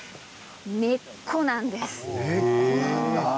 根っこなんです。